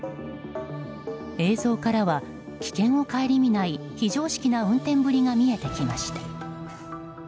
映像からは危険を顧みない非常識な運転ぶりが見えてきました。